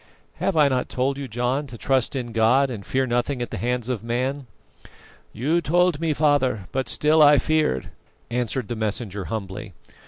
"Have I not told you, John, to trust in God, and fear nothing at the hands of man?" "You told me, father, but still I feared," answered the messenger humbly.